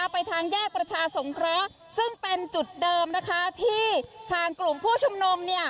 ไปทางแยกประชาสงเคราะห์ซึ่งเป็นจุดเดิมนะคะที่ทางกลุ่มผู้ชุมนุม